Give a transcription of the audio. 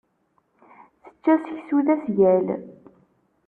Tečča seksu d asgal.